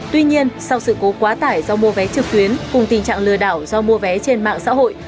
tuy nhiên sau sự cố quá tải do mua vé trực tuyến cùng tình trạng lừa đảo do mua vé trên mạng xã hội